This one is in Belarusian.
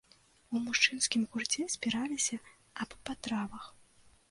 У мужчынскім гурце спіраліся аб патравах.